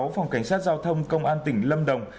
phòng cảnh sát giao thông công an tỉnh lâm đồng